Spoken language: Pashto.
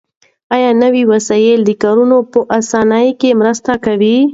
آیا نوي وسایل د کارونو په اسانۍ کې مرسته کوي؟